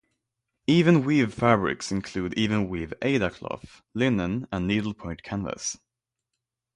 Even-weave fabrics include even-weave aida cloth, linen, and needlepoint canvas.